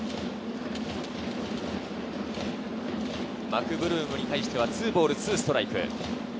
マクブルームに対して２ボール２ストライク。